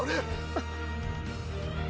あっ！